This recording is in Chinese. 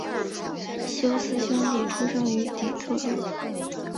休斯兄弟出生于底特律。